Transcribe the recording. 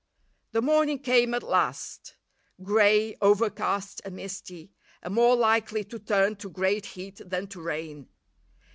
The morning came at last; grey, overcast, and misty, and more likely to turn to great heat than to rain.